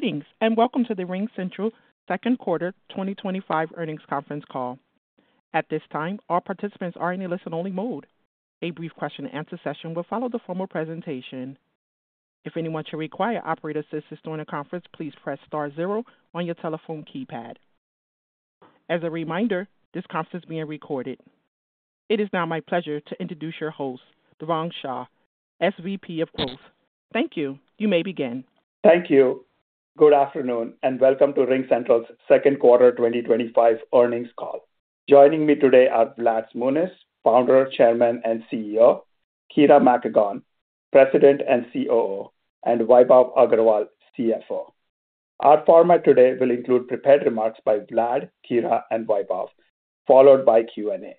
Greetings and welcome to the RingCentral Second Quarter 2025 Earnings Conference Call. At this time, all participants are in a listen-only mode. A brief question and answer session will follow the formal presentation. If anyone should require operator assistance during the conference, please press star zero on your telephone keypad. As a reminder, this conference is being recorded. It is now my pleasure to introduce your host, Devang Shah, SVP of Growth. Thank you. You may begin. Thank you. Good afternoon and welcome to RingCentral's Second Quarter 2025 Earnings Call. Joining me today are Vlad Shmunis, Founder, Chairman and CEO, Kira Makagon, President and COO, and Vaibhav Agarwal, CFO. Our format today will include prepared remarks by Vlad, Kira, and Vaibhav, followed by Q&A.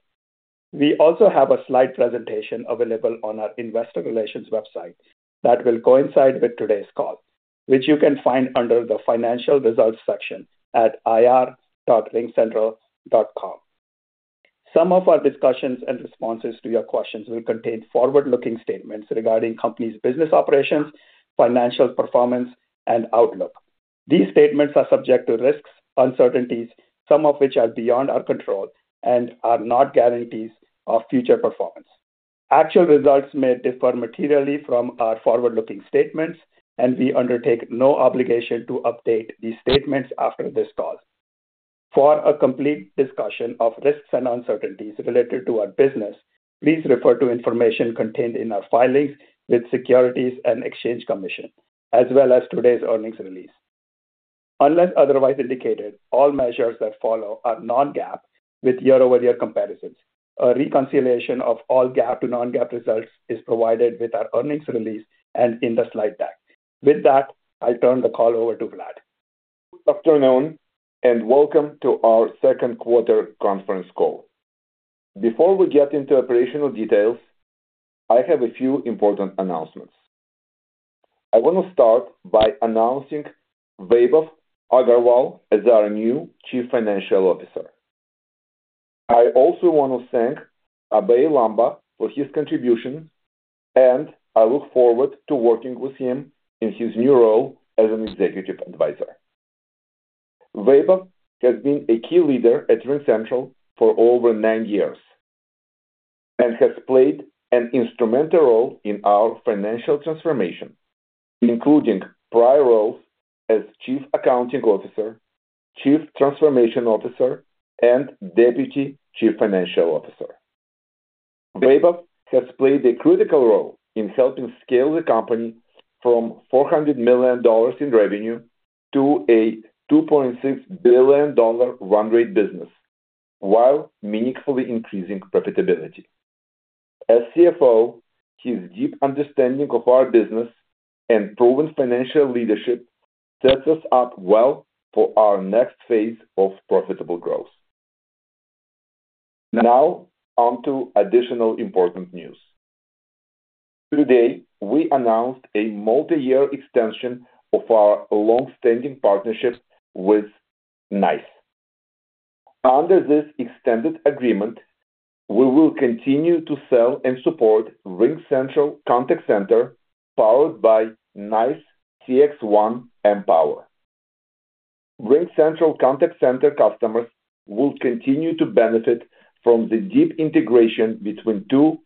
We also have a slide presentation available on our investor relations website that will coincide with today's call, which you can find under the financial results section at ir.ringcentral.com. Some of our discussions and responses to your questions will contain forward-looking statements regarding the company's business operations, financial performance, and outlook. These statements are subject to risks and uncertainties, some of which are beyond our control, and are not guarantees of future performance. Actual results may differ materially from our forward-looking statements, and we undertake no obligation to update these statements after this call. For a complete discussion of risks and uncertainties related to our business, please refer to information contained in our filings with the Securities and Exchange Commission, as well as today's earnings release. Unless otherwise indicated, all measures that follow are non-GAAP with year-over-year comparisons. A reconciliation of all GAAP to non-GAAP results is provided with our earnings release and in the slide deck. With that, I'll turn the call over to Vlad. Good afternoon and welcome to our second quarter conference call. Before we get into operational details, I have a few important announcements. I want to start by announcing Vaibhav Agarwal as our new Chief Financial Officer. I also want to thank Abhey Lamba for his contribution, and I look forward to working with him in his new role as an Executive Advisor. Vaibhav has been a key leader at RingCentral for over nine years and has played an instrumental role in our financial transformation, including prior roles as Chief Accounting Officer, Chief Transformation Officer, and Deputy Chief Financial Officer. Vaibhav has played a critical role in helping scale the company from $400 million in revenue to a $2.6 billion run-rate business, while meaningfully increasing profitability. As CFO, his deep understanding of our business and proven financial leadership sets us up well for our next phase of profitable growth. Now, on to additional important news. Today, we announced a multi-year extension of our long-standing partnership with NICE. Under this extended agreement, we will continue to sell and support RingCentral Contact Center, powered by NICE CXone. RingCentral Contact Center customers will continue to benefit from the deep integration between two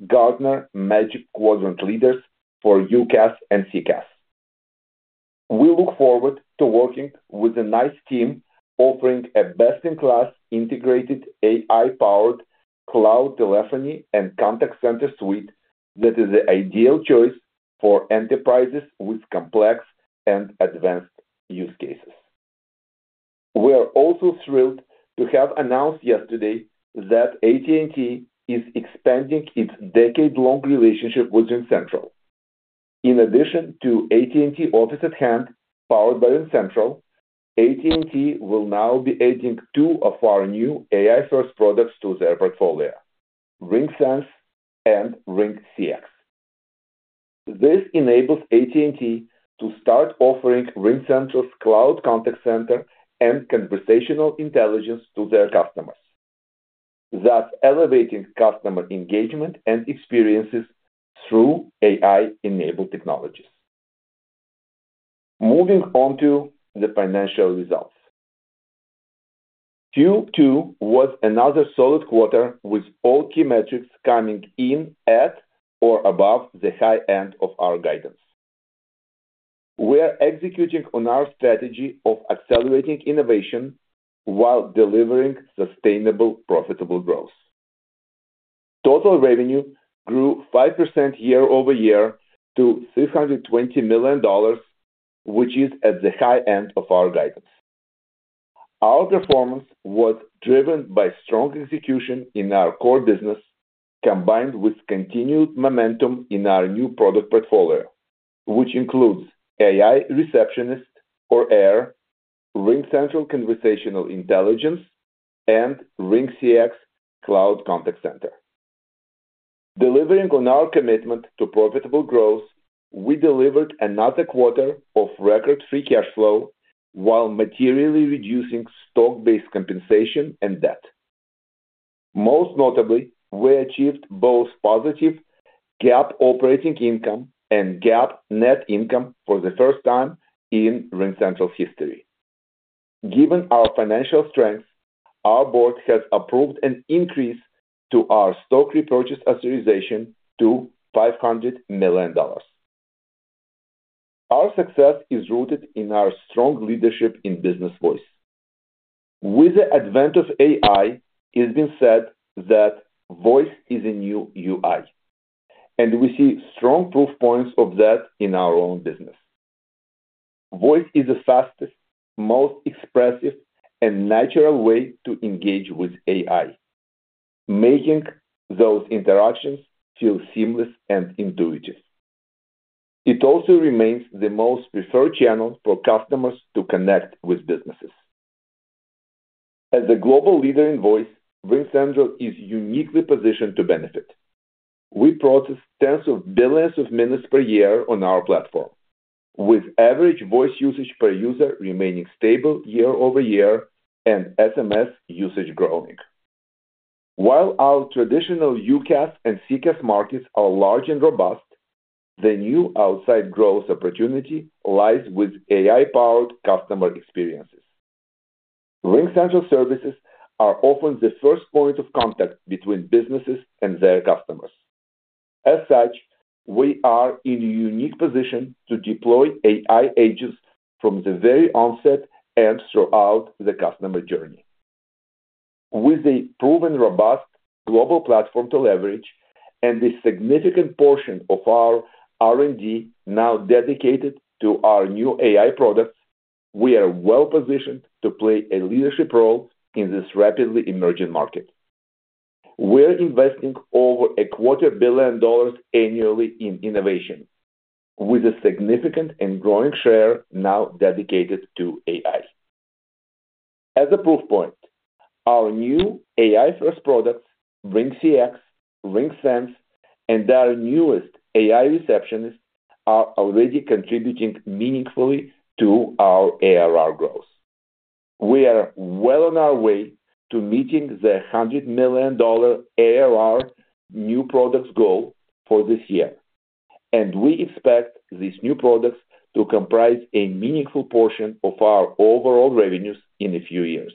recognized Gartner Magic Quadrant leaders for UCaaS and CCaaS. We look forward to working with the NICE team, offering a best-in-class integrated AI-powered cloud telephony and contact center suite that is the ideal choice for enterprises with complex and advanced use cases. We are also thrilled to have announced yesterday that AT&T is expanding its decade-long relationship with RingCentral. In addition to AT&T Office@Hand, powered by RingCentral, AT&T will now be adding two of our new AI-first products to their portfolio: RingSense and RingCX. This enables AT&T to start offering RingCentral's Cloud Contact Center and Conversational Intelligence to their customers. That is elevating customer engagement and experiences through AI-enabled technologies. Moving on to the financial results. Q2 was another solid quarter with all key metrics coming in at or above the high end of our guidance. We are executing on our strategy of accelerating innovation while delivering sustainable, profitable growth. Total revenue grew 5% year-over-year to $320 million, which is at the high end of our guidance. Our performance was driven by strong execution in our core business, combined with continued momentum in our new product portfolio, which includes AI Receptionist or AIR, RingCentral Conversational Intelligence, and RingCX Cloud Contact Center. Delivering on our commitment to profitable growth, we delivered another quarter of record free cash flow while materially reducing stock-based compensation and debt. Most notably, we achieved both positive GAAP operating income and GAAP net income for the first time in RingCentral's history. Given our financial strength, our board has approved an increase to our stock repurchase authorization to $500 million. Our success is rooted in our strong leadership in business voice. With the advent of AI, it's been said that voice is a new UI, and we see strong proof points of that in our own business. Voice is the fastest, most expressive, and natural way to engage with AI, making those interactions feel seamless and intuitive. It also remains the most preferred channel for customers to connect with businesses. As a global leader in voice, RingCentral is uniquely positioned to benefit. We process tens of billions of minutes per year on our platform, with average voice usage per user remaining stable year-over-year and SMS usage growing. While our traditional UCaaS and CCaaS markets are large and robust, the new outside growth opportunity lies with AI-powered customer experiences. RingCentral services are often the first point of contact between businesses and their customers. As such, we are in a unique position to deploy AI agents from the very onset and throughout the customer journey. With a proven robust global platform to leverage and a significant portion of our R&D now dedicated to our new AI product, we are well positioned to play a leadership role in this rapidly emerging market. We're investing over a quarter billion dollars annually in innovation, with a significant and growing share now dedicated to AI. As a proof point, our new AI-first products, RingCX, RingSense, and our newest AI Receptionist are already contributing meaningfully to our ARR growth. We are well on our way to meeting the $100 million ARR new products goal for this year, and we expect these new products to comprise a meaningful portion of our overall revenues in a few years.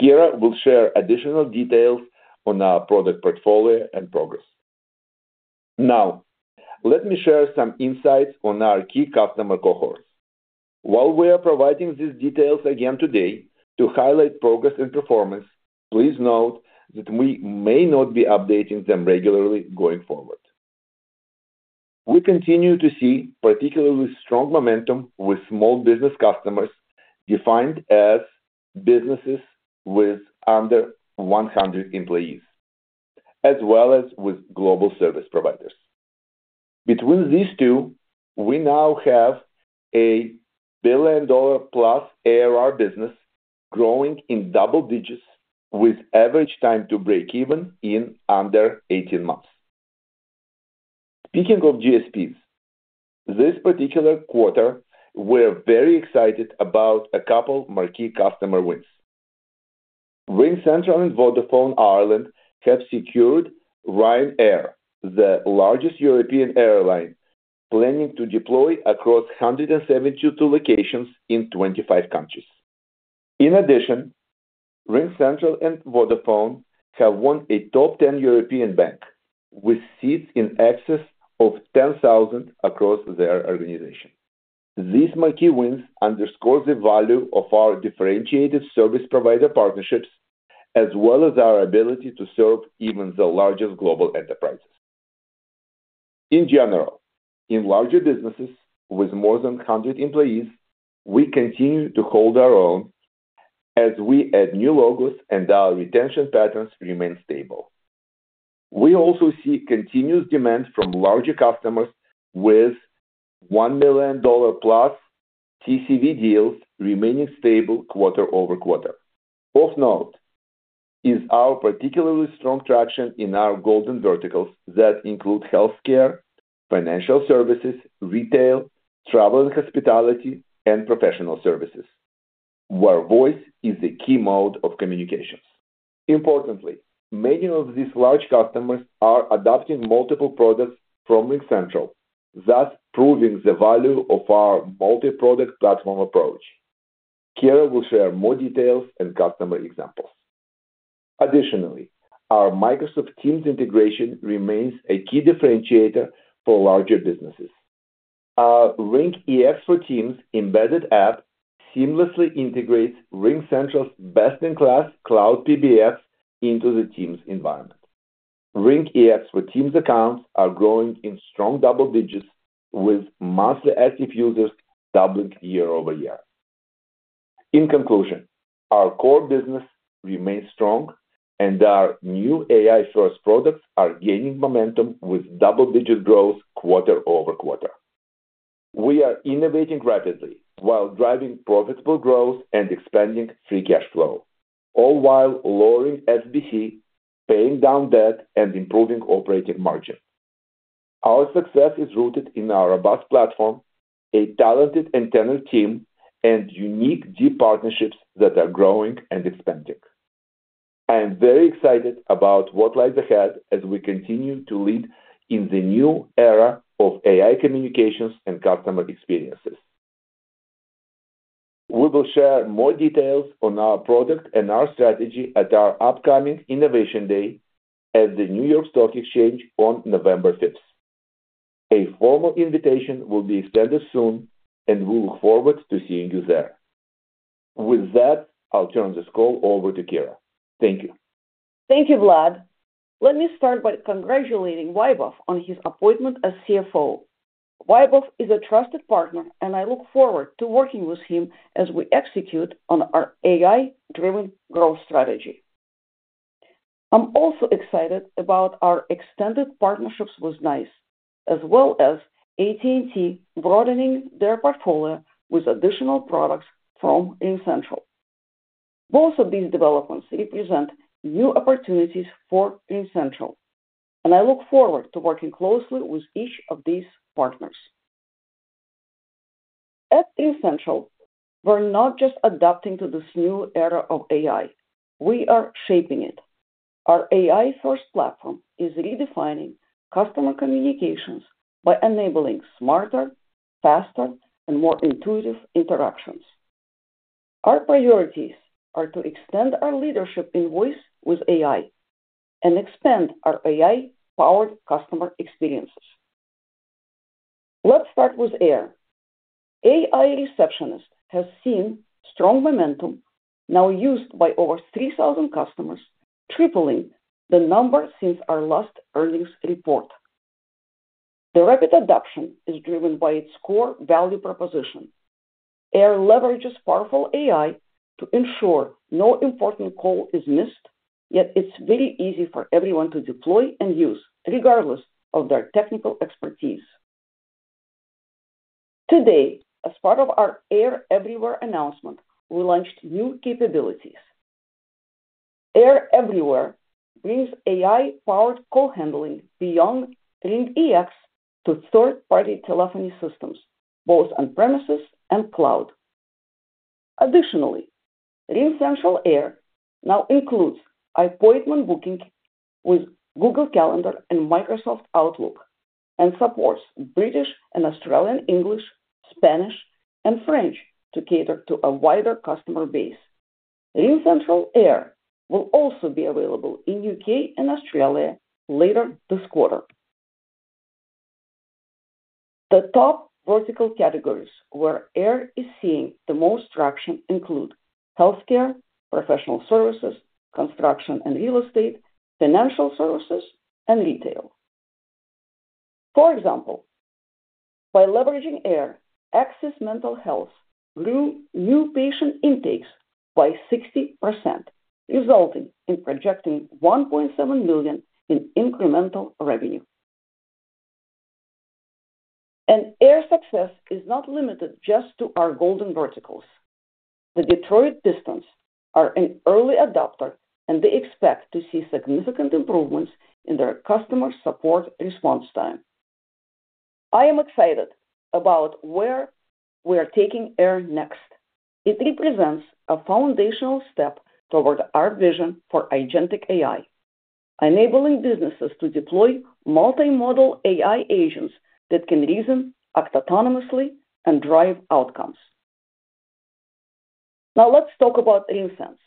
Kira will share additional details on our product portfolio and progress. Now, let me share some insights on our key customer cohort. While we are providing these details again today to highlight progress and performance, please note that we may not be updating them regularly going forward. We continue to see particularly strong momentum with small business customers defined as businesses with under 100 employees, as well as with global service providers. Between these two, we now have $1+ billion ARR business growing in double digits, with average time to break even in under 18 months. Speaking of GSPs, this particular quarter, we're very excited about a couple of marquee customer wins. RingCentral and Vodafone Ireland have secured Ryanair, the largest European airline, planning to deploy across 172 locations in 25 countries. In addition, RingCentral and Vodafone have won a top 10 European bank, with seats in excess of 10,000 across their organization. These marquee wins underscore the value of our differentiated service provider partnerships, as well as our ability to serve even the largest global enterprises. In general, in larger businesses with more than 100 employees, we continue to hold our own as we add new logos and our retention patterns remain stable. We also see continuous demand from larger customers with $1+ million TCV deals remaining stable quarter over quarter. Of note is our particularly strong traction in our golden verticals that include healthcare, financial services, retail, travel and hospitality, and professional services, where voice is a key mode of communications. Importantly, many of these large customers are adopting multiple products from RingCentral, thus proving the value of our multi-product platform approach. Kira will share more details and customer examples. Additionally, our Microsoft Teams integration remains a key differentiator for larger businesses. Our Ring EXPert Teams embedded app seamlessly integrates RingCentral's best-in-class Cloud PBX into the Teams environment. Ring EXPert Teams accounts are growing in strong double digits, with monthly active users doubling year-over-year. In conclusion, our core business remains strong, and our new AI-first products are gaining momentum with double-digit growth quarter over quarter. We are innovating rapidly while driving profitable growth and expanding free cash flow, all while lowering SBC, paying down debt, and improving operating margin. Our success is rooted in our robust platform, a talented internal team, and unique deep partnerships that are growing and expanding. I am very excited about what lies ahead as we continue to lead in the new era of AI communications and customer experiences. We will share more details on our product and our strategy at our upcoming Innovation Day at the New York Stock Exchange on November 5th. A formal invitation will be extended soon, and we look forward to seeing you there. With that, I'll turn this call over to Kira. Thank you. Thank you, Vlad. Let me start by congratulating Vaibhav on his appointment as CFO. Vaibhav is a trusted partner, and I look forward to working with him as we execute on our AI-driven growth strategy. I'm also excited about our extended partnerships with NICE, as well as AT&T broadening their portfolio with additional products from RingCentral. Both of these developments represent new opportunities for RingCentral, and I look forward to working closely with each of these partners. At RingCentral, we're not just adapting to this new era of AI, we are shaping it. Our AI-first platform is redefining customer communications by enabling smarter, faster, and more intuitive interactions. Our priorities are to extend our leadership in voice with AI and expand our AI-powered customer experiences. Let's start with AIR. AI Receptionist has seen strong momentum, now used by over 3,000 customers, tripling the number since our last earnings report. The rapid adoption is driven by its core value proposition. AIR leverages powerful AI to ensure no important call is missed, yet it's very easy for everyone to deploy and use regardless of their technical expertise. Today, as part of our AIR Everywhere announcement, we launched new capabilities. AIR Everywhere brings AI-powered call handling beyond RingCentral RingEx to third-party telephony systems, both on-premises and cloud. Additionally, RingCentral AIR now includes appointment booking with Google Calendar and Microsoft Outlook and supports British and Australian English, Spanish, and French to cater to a wider customer base. RingCentral AIR will also be available in the U.K. and Australia later this quarter. The top vertical categories where AIR is seeing the most traction include healthcare, professional services, construction and real estate, financial services, and retail. For example, by leveraging AIR, Axis Mental Health grew new patient intakes by 60%, resulting in projecting $1.7 million in incremental revenue. AIR success is not limited just to our golden verticals. The Detroit Pistons are an early adopter, and they expect to see significant improvements in their customer support response time. I am excited about where we are taking AIR next. It represents a foundational step toward our vision for agentic AI, enabling businesses to deploy multimodal AI agents that can reason, act autonomously, and drive outcomes. Now, let's talk about RingSense.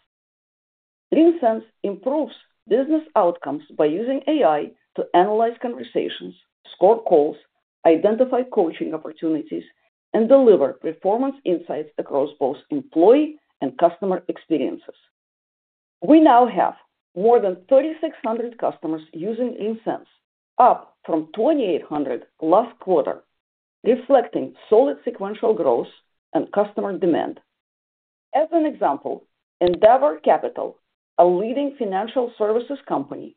RingSense improves business outcomes by using AI to analyze conversations, score calls, identify coaching opportunities, and deliver performance insights across both employee and customer experiences. We now have more than 3,600 customers using RingSense, up from 2,800 last quarter, reflecting solid sequential growth and customer demand. As an example, Endeavor Capital, a leading financial services company,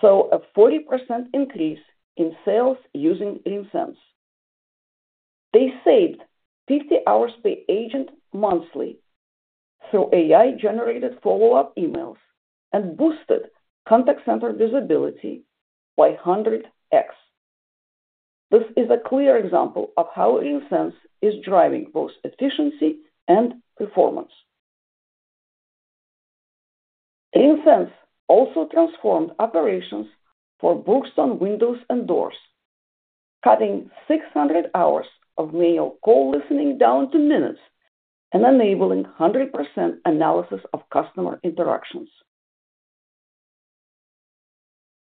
saw a 40% increase in sales using RingSense. They saved 50 hours per agent monthly through AI-generated follow-up emails and boosted contact center visibility by 100x. This is a clear example of how RingSense is driving both efficiency and performance. RingSense also transformed operations for Brookstone Windows and Doors, cutting 600 hours of manual call listening down to minutes and enabling 100% analysis of customer interactions.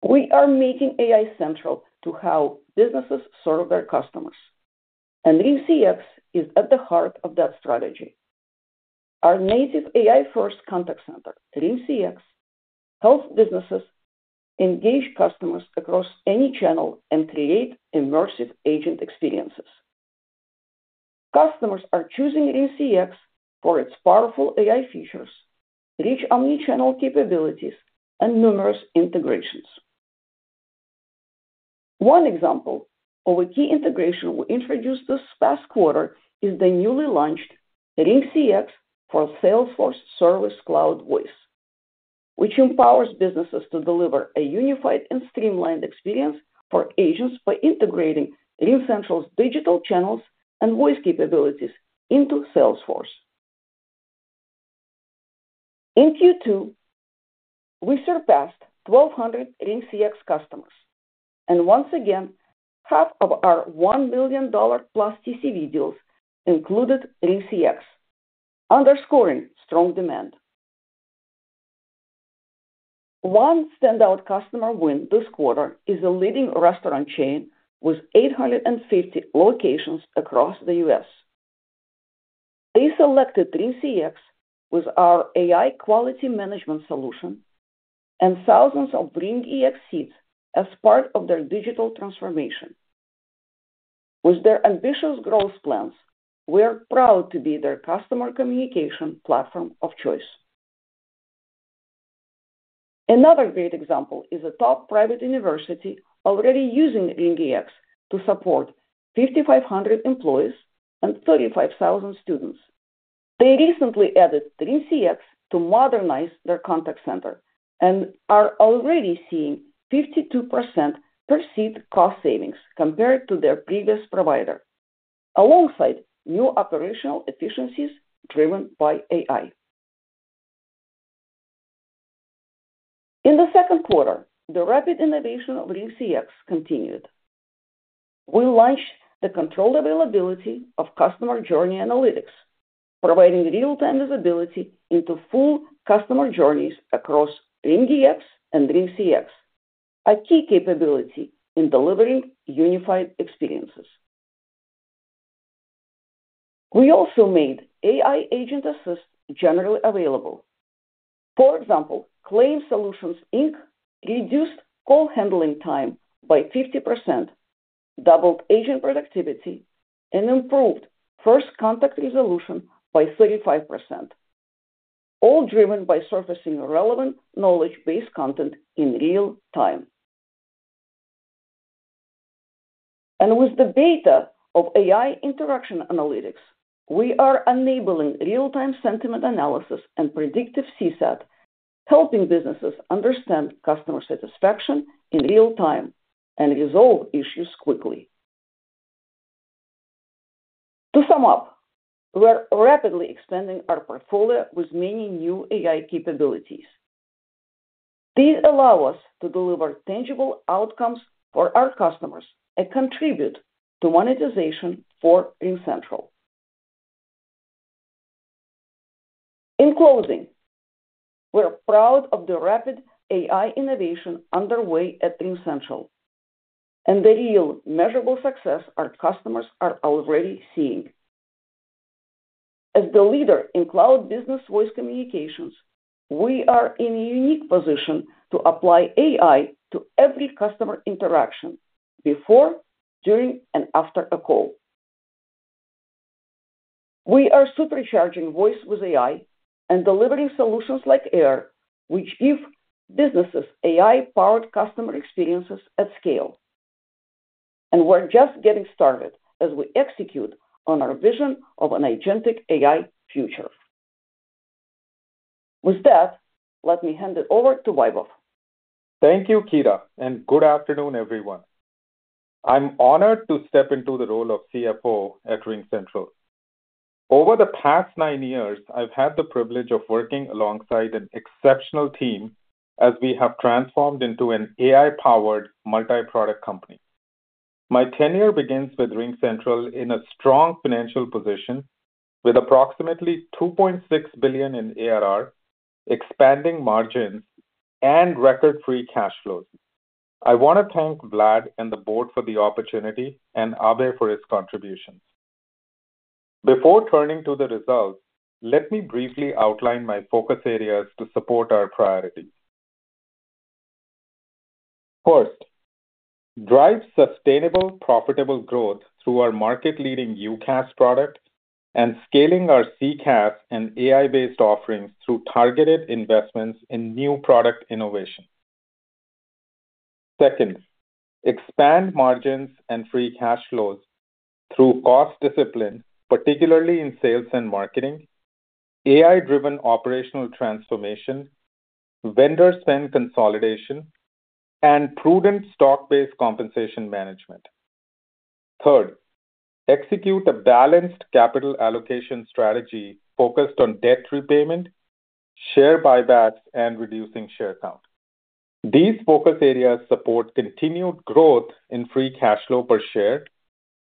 We are making AI central to how businesses serve their customers, and RingCX is at the heart of that strategy. Our native AI-first contact center, RingCX, helps businesses engage customers across any channel and create immersive agent experiences. Customers are choosing RingCX for its powerful AI features, rich omnichannel capabilities, and numerous integrations. One example of a key integration we introduced this past quarter is the newly launched RingCX for Salesforce Service Cloud Voice, which empowers businesses to deliver a unified and streamlined experience for agents by integrating RingCentral's digital channels and voice capabilities into Salesforce. In Q2, we surpassed 1,200 RingCX customers, and once again, half of our $1+ million TCV deals included RingCX, underscoring strong demand. One standout customer win this quarter is a leading restaurant chain with 850 locations across the U.S. They selected RingCX with our AI quality management solution and thousands of RingEx seats as part of their digital transformation. With their ambitious growth plans, we're proud to be their customer communication platform of choice. Another great example is a top private university already using RingCX to support 5,500 employees and 35,000 students. They recently added RingCX to modernize their contact center and are already seeing 52% perceived cost savings compared to their previous provider, alongside new operational efficiencies driven by AI. In the second quarter, the rapid innovation of RingCX continued. We launched the controlled availability of customer journey analytics, providing real-time visibility into full customer journeys across RingEx and RingCX, a key capability in delivering unified experiences. We also made AI agent assist generally available. For example, ClaimSolutions Inc reduced call handling time by 50%, doubled agent productivity, and improved first contact resolution by 35%, all driven by surfacing relevant knowledge-based content in real time. With the beta of AI interaction analytics, we are enabling real-time sentiment analysis and predictive CSAT, helping businesses understand customer satisfaction in real time and resolve issues quickly. To sum up, we're rapidly expanding our portfolio with many new AI capabilities. These allow us to deliver tangible outcomes for our customers and contribute to monetization for RingCentral. In closing, we're proud of the rapid AI innovation underway at RingCentral and the real, measurable success our customers are already seeing. As the leader in cloud business voice communications, we are in a unique position to apply AI to every customer interaction before, during, and after a call. We are supercharging voice with AI and delivering solutions like AIR, which give businesses AI-powered customer experiences at scale. We're just getting started as we execute on our vision of an agentic AI future. With that, let me hand it over to Vaibhav. Thank you, Kira, and good afternoon, everyone. I'm honored to step into the role of CFO at RingCentral. Over the past nine years, I've had the privilege of working alongside an exceptional team as we have transformed into an AI-powered multi-product company. My tenure begins with RingCentral in a strong financial position, with approximately $2.6 billion in ARR, expanding margins, and record free cash flow. I want to thank Vlad and the board for the opportunity and Abhey for his contribution. Before turning to the results, let me briefly outline my focus areas to support our priority. First, drive sustainable, profitable growth through our market-leading UCaaS product and scaling our CCaaS and AI-based offerings through targeted investments in new product innovation. Second, expand margins and free cash flows through cost discipline, particularly in sales and marketing, AI-driven operational transformation, vendor spend consolidation, and prudent stock-based compensation management. Third, execute a balanced capital allocation strategy focused on debt repayment, share buybacks, and reducing share count. These focus areas support continued growth in free cash flow per share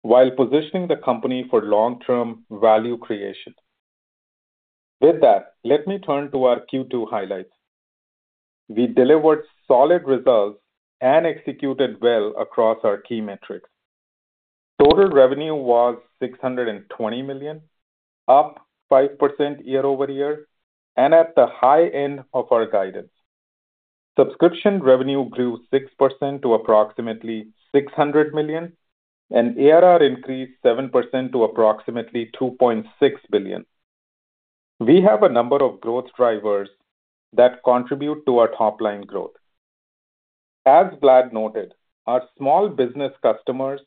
while positioning the company for long-term value creation. With that, let me turn to our Q2 highlights. We delivered solid results and executed well across our key metrics. Total revenue was $620 million, up 5% year-over-year, and at the high end of our guidance. Subscription revenue grew 6% to approximately $600 million, and ARR increased 7% to approximately $2.6 billion. We have a number of growth drivers that contribute to our top-line growth. As Vlad noted, our small business customers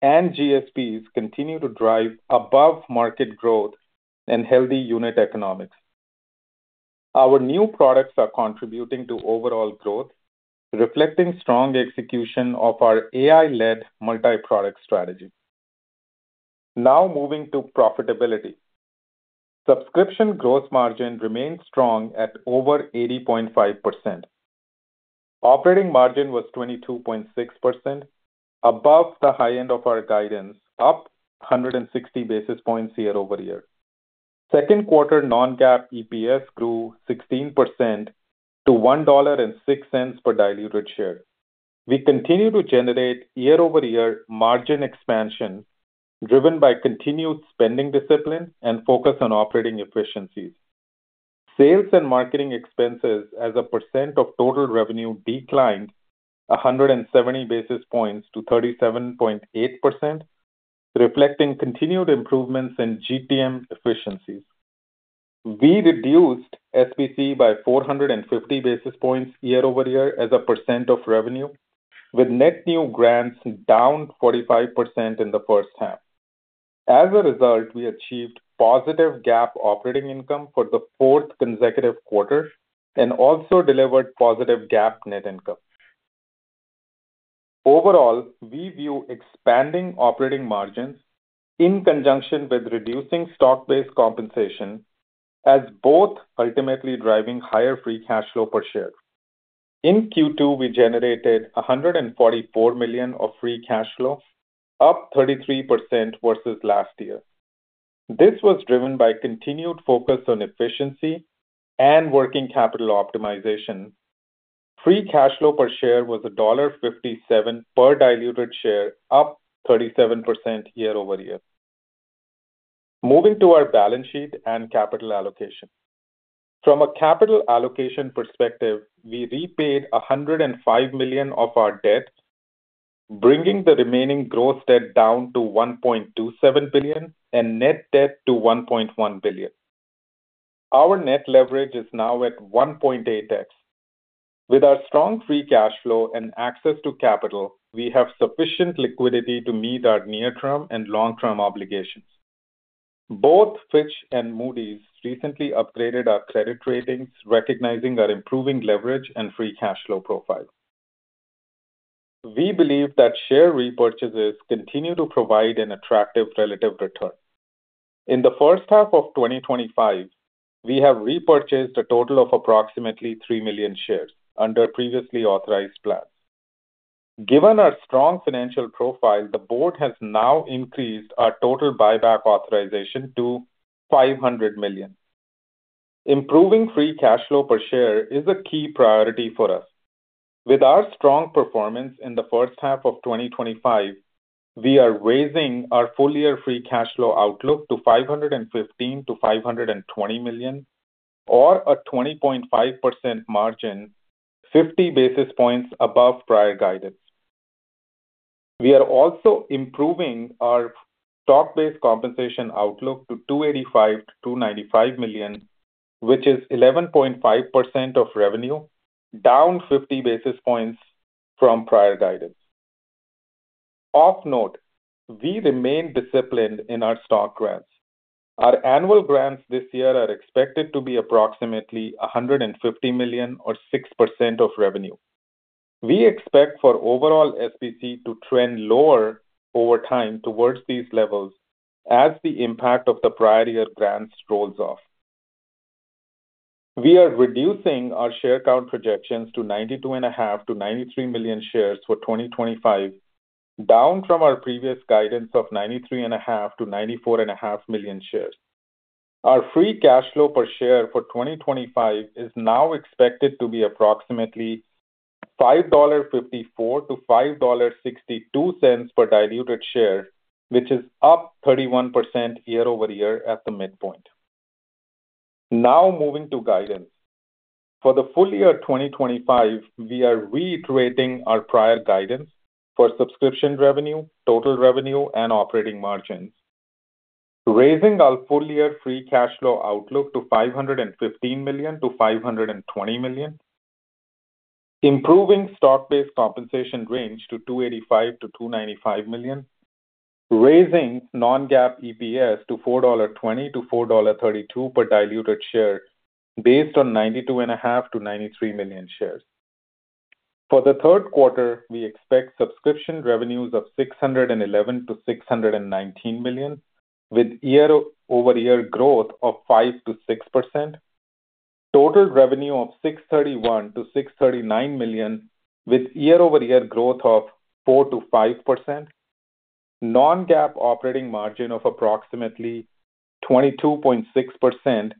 and GSPs continue to drive above-market growth and healthy unit economics. Our new products are contributing to overall growth, reflecting strong execution of our AI-led multi-product strategy. Now moving to profitability. Subscription growth margin remains strong at over 80.5%. Operating margin was 22.6%, above the high end of our guidance, up 160 basis points year-over-year. Second quarter non-GAAP EPS grew 16% to $1.06 per diluted share. We continue to generate year-over-year margin expansion, driven by continued spending discipline and focus on operating efficiencies. Sales and marketing expenses as a percent of total revenue declined 170 basis points to 37.8%, reflecting continued improvements in GPM efficiency. We reduced SBC by 450 basis points year-over-year as a percent of revenue, with net new grants down 45% in the first half. As a result, we achieved positive GAAP operating income for the fourth consecutive quarter and also delivered positive GAAP net income. Overall, we view expanding operating margins in conjunction with reducing stock-based compensation as both ultimately driving higher free cash flow per share. In Q2, we generated $144 million of free cash flow, up 33% versus last year. This was driven by continued focus on efficiency and working capital optimization. Free cash flow per share was $1.57 per diluted share, up 37% year-over-year. Moving to our balance sheet and capital allocation. From a capital allocation perspective, we repaid $105 million of our debt, bringing the remaining gross debt down to $1.27 billion and net debt to $1.1 billion. Our net leverage is now at 1.8x. With our strong free cash flow and access to capital, we have sufficient liquidity to meet our near-term and long-term obligations. Both Fitch and Moody's recently upgraded our credit ratings, recognizing our improving leverage and free cash flow profile. We believe that share repurchases continue to provide an attractive relative return. In the first half of 2025, we have repurchased a total of approximately 3 million shares under previously authorized plans. Given our strong financial profile, the board has now increased our total buyback authorization to $500 million. Improving free cash flow per share is a key priority for us. With our strong performance in the first half of 2025, we are raising our full-year free cash flow outlook to $515 million-$520 million, or a 20.5% margin, 50 basis points above prior guidance. We are also improving our stock-based compensation outlook to $285 million-$295 million, which is 11.5% of revenue, down 50 basis points from prior guidance. Of note, we remain disciplined in our stock grants. Our annual grants this year are expected to be approximately $150 million, or 6% of revenue. We expect for overall SBC to trend lower over time towards these levels as the impact of the prior year grants rolls off. We are reducing our share count projections to 92.5 million-93 million shares for 2025, down from our previous guidance of 93.5 million-94.5 million shares. Our free cash flow per share for 2025 is now expected to be approximately $5.54-$5.62 per diluted share, which is up 31% year-over-year at the midpoint. Now moving to guidance. For the full year 2025, we are reiterating our prior guidance for subscription revenue, total revenue, and operating margin, raising our full-year free cash flow outlook to $515 million-$520 million, improving stock-based compensation range to $285 million-$295 million, raising non-GAAP EPS to $4.20-$4.32 per diluted share based on 92.5 million-93 million shares. For the third quarter, we expect subscription revenues of $611 million-$619 million, with year-over-year growth of 5%-6%, total revenue of $631 million-$639 million, with year-over-year growth of 4%-5%, non-GAAP operating margin of approximately 22.6%,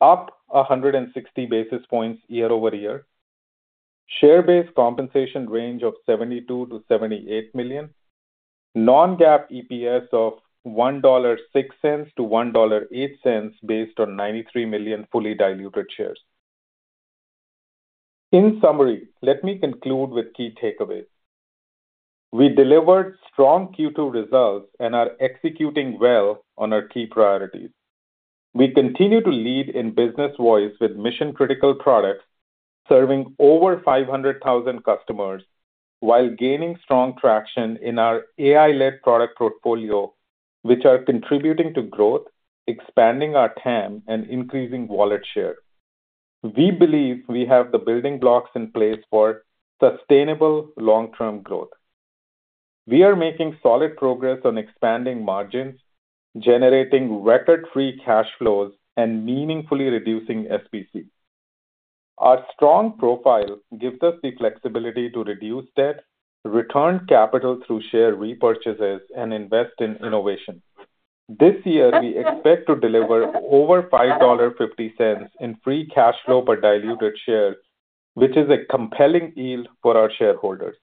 up 160 basis points year-over-year, stock-based compensation range of $72 million-$78 million, non-GAAP EPS of $1.06-$1.08 based on 93 million fully diluted shares. In summary, let me conclude with key takeaways. We delivered strong Q2 results and are executing well on our key priorities. We continue to lead in business voice with mission-critical products, serving over 500,000 customers while gaining strong traction in our AI-led product portfolio, which are contributing to growth, expanding our TAM, and increasing wallet share. We believe we have the building blocks in place for sustainable long-term growth. We are making solid progress on expanding margins, generating record free cash flows, and meaningfully reducing SBC. Our strong profile gives us the flexibility to reduce debt, return capital through share repurchases, and invest in innovation. This year, we expect to deliver over $5.50 in free cash flow per diluted share, which is a compelling yield for our shareholders.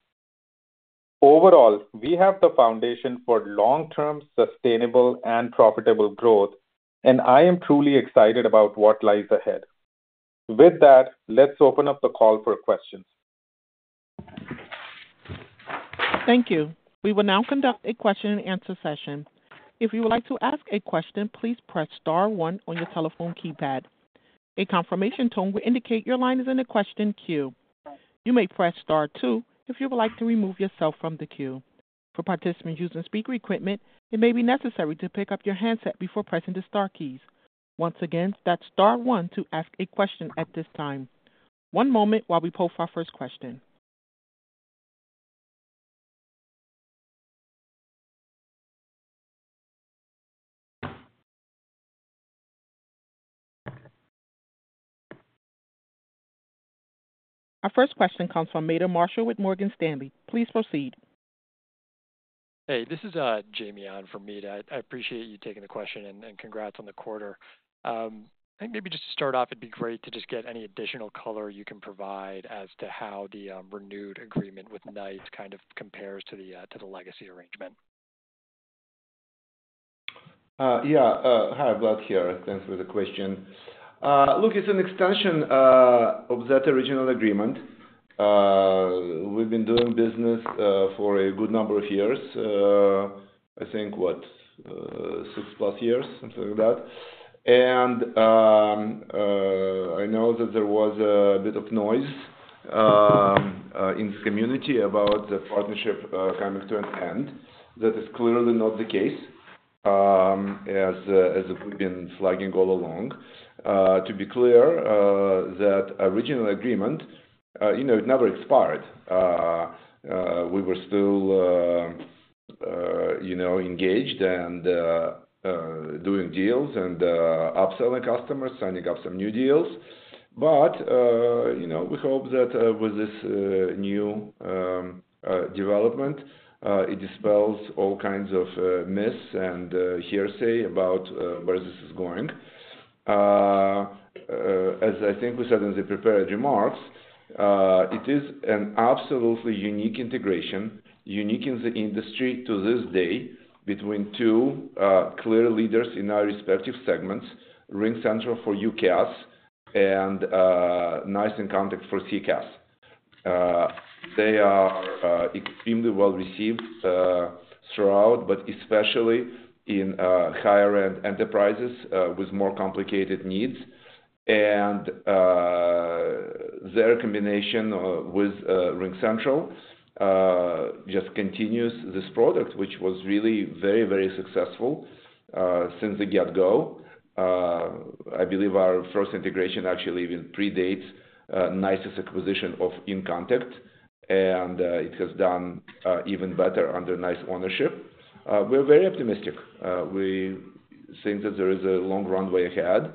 Overall, we have the foundation for long-term sustainable and profitable growth, and I am truly excited about what lies ahead. With that, let's open up the call for questions. Thank you. We will now conduct a question and answer session. If you would like to ask a question, please press star one on your telephone keypad. A confirmation tone will indicate your line is in a question queue. You may press star two if you would like to remove yourself from the queue. For participants using speaker equipment, it may be necessary to pick up your handset before pressing the star keys. Once again, that's star one to ask a question at this time. One moment while we poll for our first question. Our first question comes from Meta Marshall with Morgan Stanley. Please proceed. Hey, this is Jamie on for Meta. I appreciate you taking the question and congrats on the quarter. I think maybe just to start off, it'd be great to just get any additional color you can provide as to how the renewed agreement with NICE compares to the legacy arrangement. Hi, Vlad here. Thanks for the question. Look, it's an extension of that original agreement. We've been doing business for a good number of years. I think, what, 6+ years, something like that. I know that there was a bit of noise in the community about the partnership coming to an end. That is clearly not the case, as we've been flagging all along. To be clear, that original agreement never expired. We were still engaged and doing deals and upselling customers, signing up some new deals. We hope that with this new development, it dispels all kinds of myths and hearsay about where this is going. As I think we said in the prepared remarks, it is an absolutely unique integration, unique in the industry to this day, between two clear leaders in our respective segments: RingCentral for UCaaS and NICE and Contact for CCaaS. They are extremely well received throughout, especially in higher-end enterprises with more complicated needs. Their combination with RingCentral just continues this product, which was really very, very successful since the get-go. I believe our first integration actually even predates NICE's acquisition of InContact, and it has done even better under NICE's ownership. We're very optimistic. We think that there is a long runway ahead.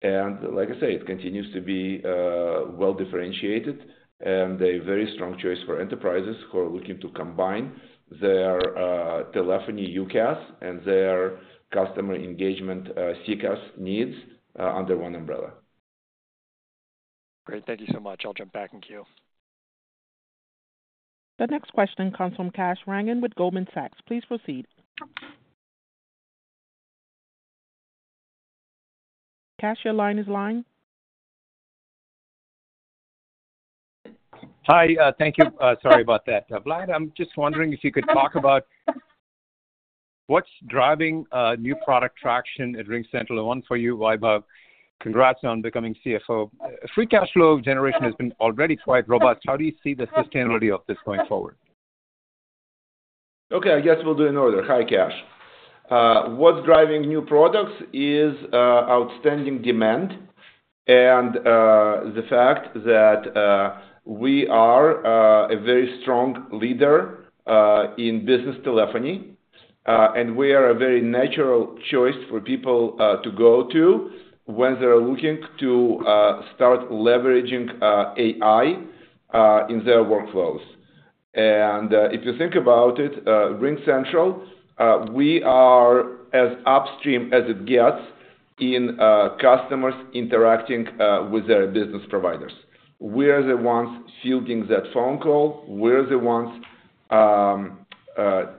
It continues to be well differentiated and a very strong choice for enterprises who are looking to combine their telephony UCaaS and their customer engagement CCaaS needs under one umbrella. Great. Thank you so much. I'll jump back in queue. The next question comes from Kash Rangan with Goldman Sachs. Please proceed. Kash, your line is live. Hi. Thank you. Sorry about that. Vlad, I'm just wondering if you could talk about what's driving new product traction at RingCentral. One for you, Vaibhav. Congrats on becoming CFO. Free cash flow generation has been already quite robust. How do you see the sustainability of this going forward? Okay, I guess we'll do in order. Hi, Kash. What's driving new products is outstanding demand and the fact that we are a very strong leader in business telephony, and we are a very natural choice for people to go to when they're looking to start leveraging AI in their workflows. If you think about it, RingCentral, we are as upstream as it gets in customers interacting with their business providers. We're the ones fielding that phone call. We're the ones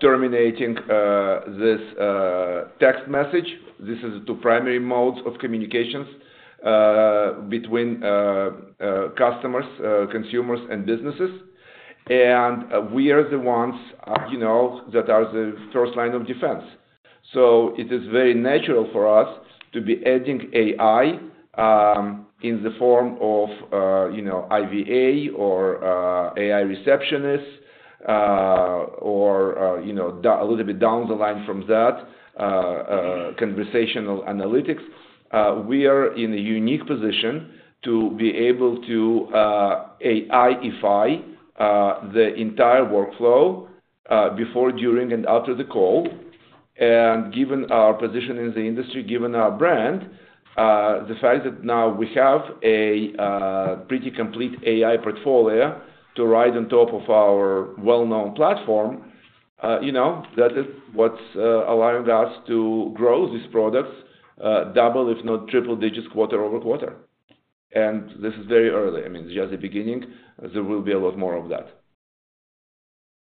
terminating this text message. These are the two primary modes of communications between customers, consumers, and businesses. We are the ones that are the first line of defense. It is very natural for us to be adding AI in the form of IVA or AI Receptionist, or a little bit down the line from that, conversational analytics. We are in a unique position to be able to AI-ify the entire workflow before, during, and after the call. Given our position in the industry, given our brand, the fact that now we have a pretty complete AI portfolio to ride on top of our well-known platform, you know, that is what's allowing us to grow these products double, if not triple digits quarter over quarter. This is very early. I mean, it's just the beginning. There will be a lot more of that.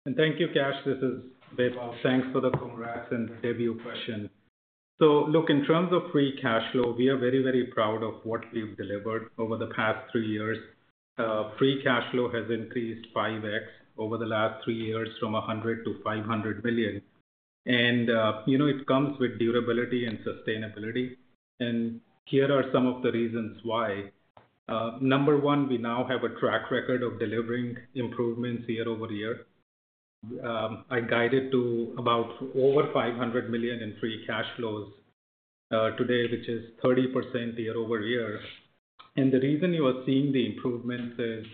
Thank you, Kash. This is Vaibhav. Thanks for the congrats and debut question. In terms of free cash flow, we are very, very proud of what we've delivered over the past three years. Free cash flow has increased 5x over the last three years from $100 million-$500 million. It comes with durability and sustainability. Here are some of the reasons why. Number one, we now have a track record of delivering improvements year-over-year. I guided to about over $500 million in free cash flows today, which is 30% year-over-year. The reason you are seeing the improvements is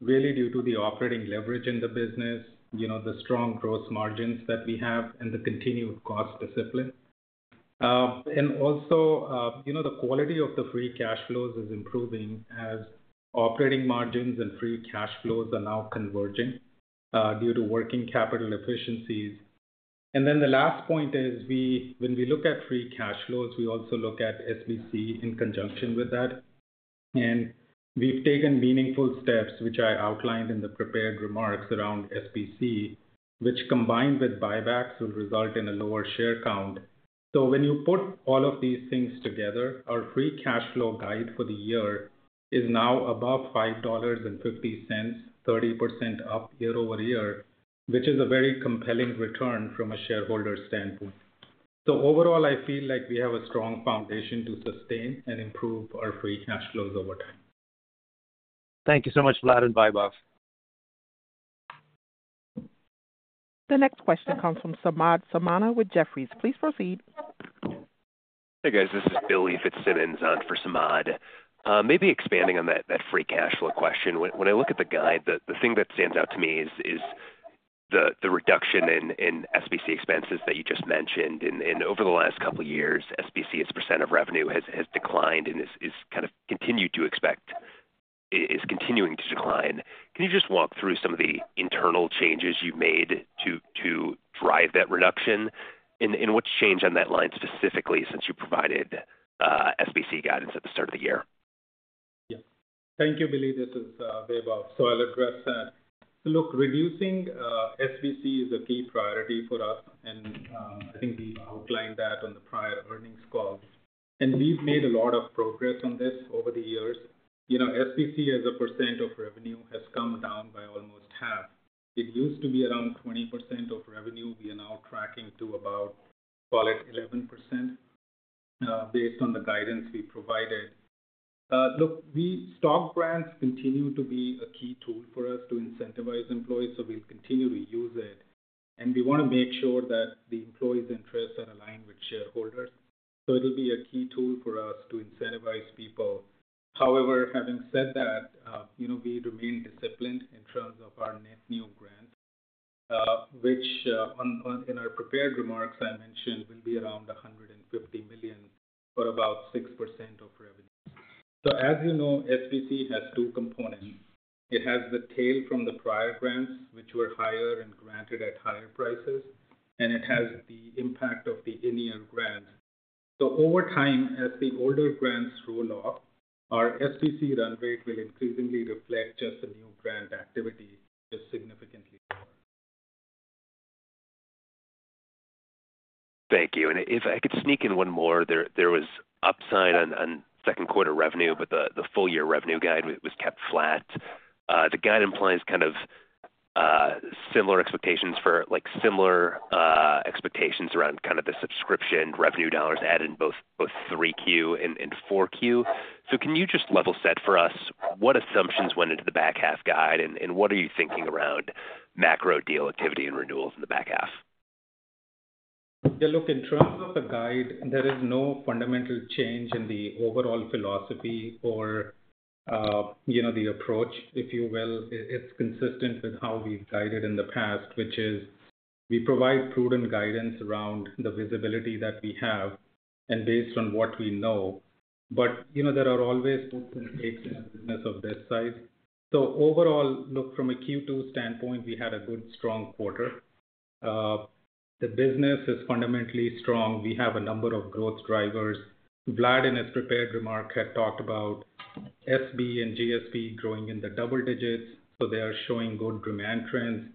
really due to the operating leverage in the business, the strong gross margins that we have, and the continued cost discipline. Also, the quality of the free cash flows is improving as operating margins and free cash flows are now converging due to working capital efficiencies. The last point is when we look at free cash flows, we also look at SBC in conjunction with that. We've taken meaningful steps, which I outlined in the prepared remarks around SBC, which combined with buybacks will result in a lower share count. When you put all of these things together, our free cash flow guide for the year is now above $5.5, 30% up year-over-year, which is a very compelling return from a shareholder standpoint. Overall, I feel like we have a strong foundation to sustain and improve our free cash flows over time. Thank you so much, Vlad and Vaibhav. The next question comes from Samad Samana with Jefferies. Please proceed. Hey guys, this is Billy Fitzsimmons for Samad. Maybe expanding on that free cash flow question. When I look at the guide, the thing that stands out to me is the reduction in SBC expenses that you just mentioned. Over the last couple of years, SBC's percent of revenue has declined and is kind of continuing to, expect is continuing to decline. Can you just walk through some of the internal changes you've made to drive that reduction? What's changed on that line specifically since you provided SBC guidance at the start of the year? Yeah. Thank you, Billy. This is Vaibhav. I'll address that. Look, reducing SBC is a key priority for us. I think we outlined that on the prior earnings calls. We've made a lot of progress on this over the years. SBC as a percent of revenue has come down by almost half. It used to be around 20% of revenue. We are now tracking to about, call it, 11% based on the guidance we provided. Stock grants continue to be a key tool for us to incentivize employees. We'll continue to use it. We want to make sure that the employees' interests are aligned with shareholders. It'll be a key tool for us to incentivize people. However, having said that, we remain disciplined in terms of our net new grant, which in our prepared remarks I mentioned will be around $150 million or about 6% of revenue. As you know, SBC has two components. It has the tail from the prior grants, which were higher and granted at higher prices, and it has the impact of the in-year grant. Over time, as the older grants roll off, our SBC run rate will increasingly reflect just a new grant activity, just significantly. Thank you. If I could sneak in one more, there was upside on second quarter revenue, but the full-year revenue guide was kept flat. The guide implies similar expectations around the subscription revenue dollars added in both 3Q and 4Q. Can you just level set for us what assumptions went into the back half guide and what are you thinking around macro deal activity and renewals in the back half? Yeah, look, in terms of the guide, there is no fundamental change in the overall philosophy or the approach, if you will. It's consistent with how we've guided in the past, which is we provide prudent guidance around the visibility that we have and based on what we know. There are always puts and takes in a business of this size. Overall, from a Q2 standpoint, we had a good, strong quarter. The business is fundamentally strong. We have a number of growth drivers. Vlad, in his prepared remarks, had talked about SV and GSP growing in the double digits. They are showing good demand trends.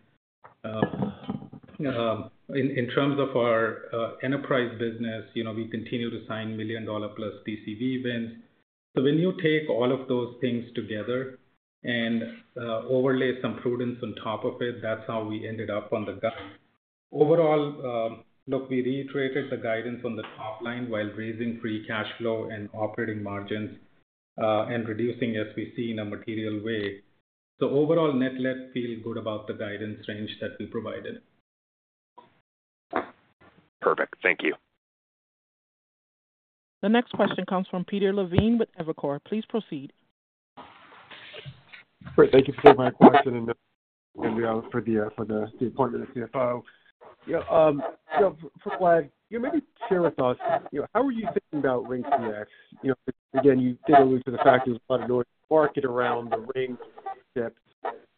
In terms of our enterprise business, we continue to sign million-dollar plus PCV wins. When you take all of those things together and overlay some prudence on top of it, that's how we ended up on the guide. Overall, we reiterated the guidance on the top line while raising free cash flow and operating margins and reducing SVC in a material way. Overall, NetLed feels good about the guidance range that we provided. Perfect. Thank you. The next question comes from Peter Levine with Evercore. Please proceed. Great. Thank you for my question and for the appointment of the CFO. For Vlad, maybe share with us how are you thinking about RingCX? You did allude to the fact that you want to go to market around the RingCX,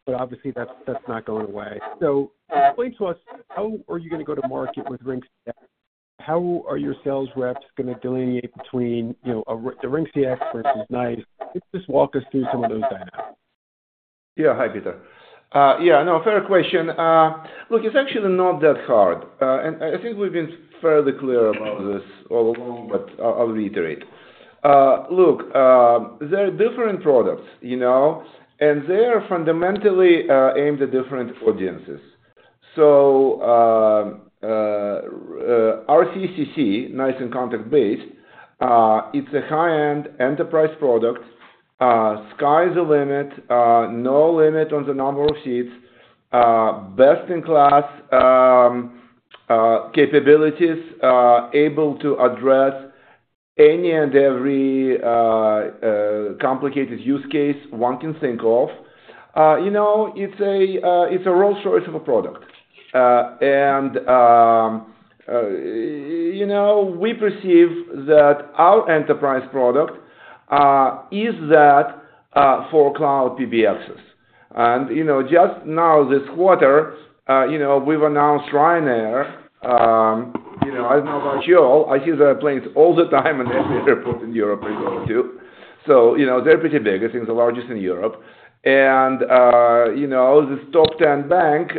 but obviously that's not going away. Explain to us, how are you going to go to market with RingCX? How are your sales reps going to delineate between the RingCX versus NICE? Just walk us through some of those dynamics. Yeah, hi, Peter. No, fair question. Look, it's actually not that hard. I think we've been fairly clear about this all along, but I'll reiterate. There are different products, you know, and they are fundamentally aimed at different audiences. Our CCC, NICE and Contact base, it's a high-end enterprise product. Sky's the limit. No limit on the number of seats. Best-in-class capabilities are able to address any and every complicated use case one can think of. It's a raw source of a product. We perceive that our enterprise product is that for cloud PBXs. Just now this quarter, we've announced Ryanair. I don't know about you all. I see the planes all the time and definitely put in Europe anyway too. They're pretty big. I think the largest in Europe. This top 10 bank,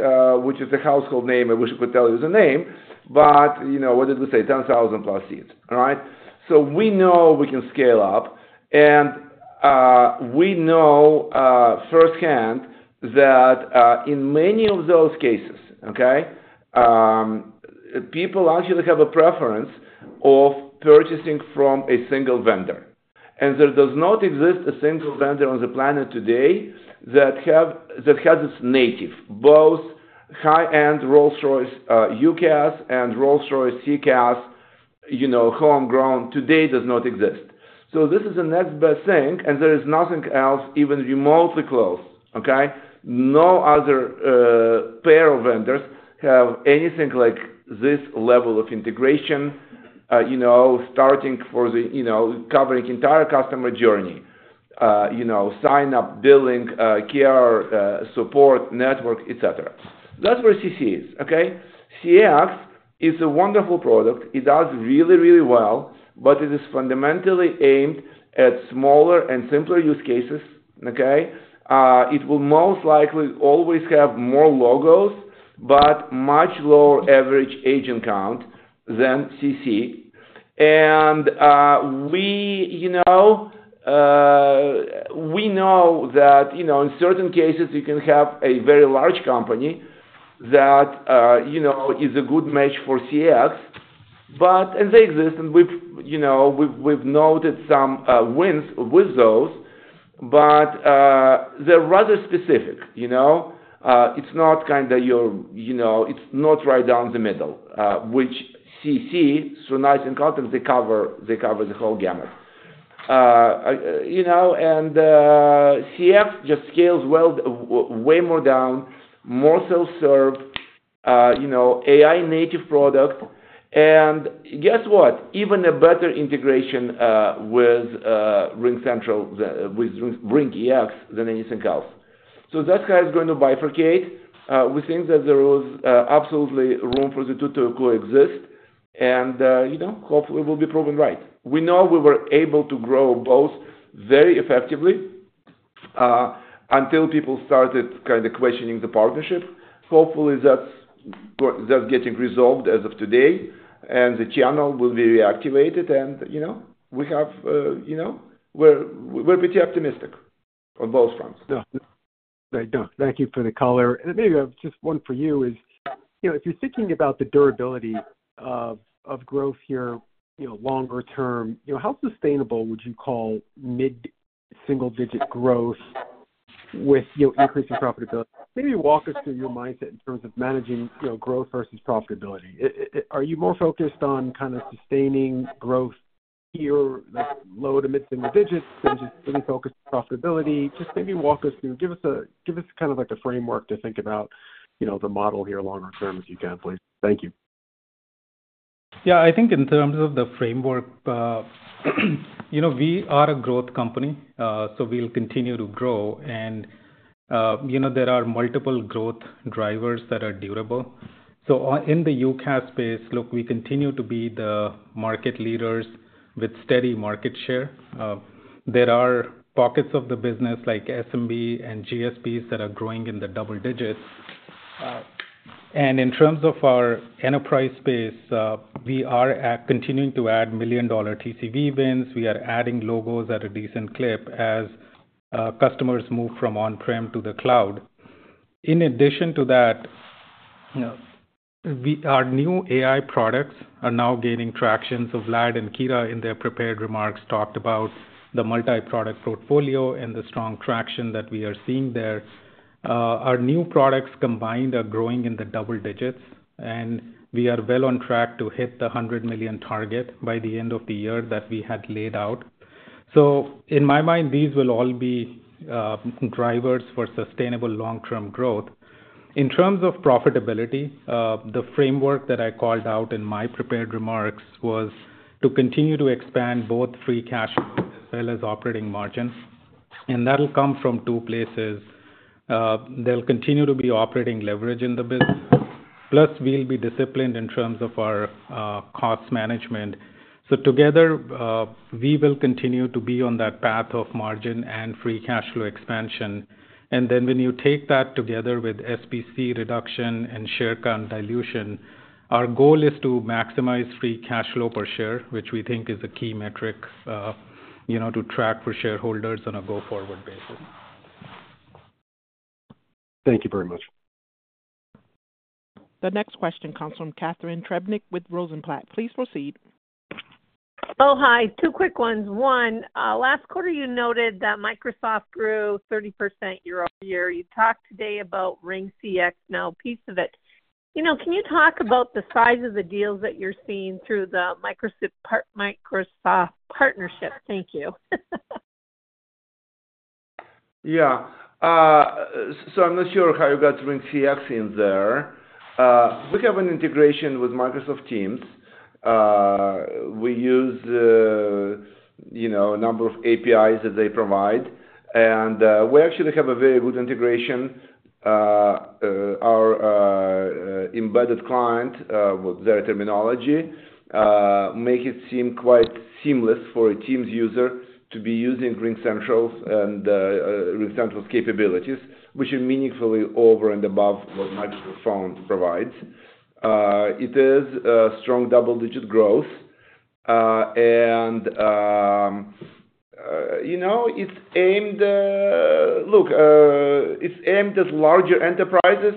which is a household name, I wish I could tell you the name, but what did we say? 10,000+ seats, right? We know we can scale up. We know firsthand that in many of those cases, people actually have a preference of purchasing from a single vendor. There does not exist a single vendor on the planet today that has its native, both high-end Rolls-Royce UCaaS and Rolls-Royce CCaaS, homegrown. Today does not exist. This is the next best thing, and there is nothing else even remotely close. No other pair of vendors have anything like this level of integration, starting for the covering the entire customer journey, sign-up, billing, care, support, network, etc. That's where CC is. CX is a wonderful product. It does really, really well, but it is fundamentally aimed at smaller and simpler use cases. It will most likely always have more logos, but much lower average agent count than CC. We know that in certain cases, you can have a very large company that is a good match for CX. They exist, and we've noted some wins with those, but they're rather specific. It's not kind of your, it's not right down the middle, which CC through NICE and Contact, they cover, they cover the whole gamut. CX just scales well, way more down, more self-serve, AI-native product. Guess what? Even a better integration with RingCentral, with RingEx than anything else. That's how it's going to bifurcate. We think that there is absolutely room for the two to coexist, and hopefully we'll be proven right. We know we were able to grow both very effectively until people started questioning the partnership. Hopefully, that's getting resolved as of today, and the channel will be reactivated. We are pretty optimistic on both fronts. Thank you for the color. Maybe I have just one for you. If you're thinking about the durability of growth here, longer term, how sustainable would you call mid-single-digit growth with increasing profitability? Maybe walk us through your mindset in terms of managing growth versus profitability. Are you more focused on kind of sustaining growth here, like low to mid-single digits, and just really focused on profitability? Maybe walk us through, give us a kind of like a framework to think about the model here longer term if you can, please. Thank you. Yeah, I think in terms of the framework, you know, we are a growth company, so we'll continue to grow. You know, there are multiple growth drivers that are durable. In the UCaaS space, look, we continue to be the market leaders with steady market share. There are pockets of the business like SMBs and GSPs that are growing in the double digits. In terms of our enterprise space, we are continuing to add million-dollar TCV wins. We are adding logos at a decent clip as customers move from on-prem to the cloud. In addition to that, our new AI-powered solutions are now gaining traction. Vlad and Kira in their prepared remarks talked about the multi-product portfolio and the strong traction that we are seeing there. Our new products combined are growing in the double digits, and we are well on track to hit the $100 million target by the end of the year that we had laid out. In my mind, these will all be drivers for sustainable long-term growth. In terms of profitability, the framework that I called out in my prepared remarks was to continue to expand both free cash flow as well as operating margin. That'll come from two places. There will continue to be operating leverage in the business. Plus, we'll be disciplined in terms of our cost management. Together, we will continue to be on that path of margin and free cash flow expansion. When you take that together with SBC reduction and share count dilution, our goal is to maximize free cash flow per share, which we think is a key metric to track for shareholders on a go-forward basis. Thank you very much. The next question comes from Catharine Trebnick with Rosenblatt. Please proceed. Oh, hi. Two quick ones. One, last quarter you noted that Microsoft grew 30% year after year. You talked today about RingCX. Now, a piece of it, you know, can you talk about the size of the deals that you're seeing through the Microsoft partnership? Thank you. I'm not sure how you got RingCX in there. We have an integration with Microsoft Teams. We use a number of APIs that they provide, and we actually have a very good integration. Our embedded client, with their terminology, makes it seem quite seamless for a Teams user to be using RingCentral and RingCentral's capabilities, which are meaningfully over and above what Microsoft phone provides. It is a strong double-digit growth. It's aimed at larger enterprises,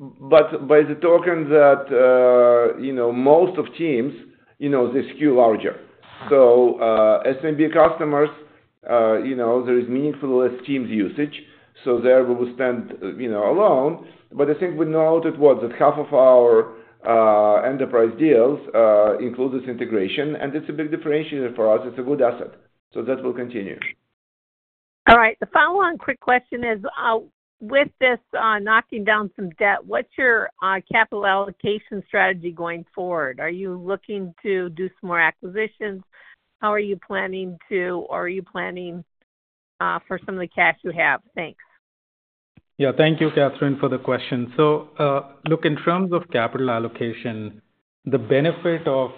by the token that most of Teams, they skew larger. SMB customers, there is meaningfully less Teams usage. There we will stand alone. I think we noted that half of our enterprise deals include this integration, and it's a big differentiator for us. It's a good asset. That will continue. All right. The follow-on quick question is, with this knocking down some debt, what's your capital allocation strategy going forward? Are you looking to do some more acquisitions? How are you planning to, or are you planning for some of the cash you have? Thanks. Thank you, Catharine, for the question. In terms of capital allocation, the benefit of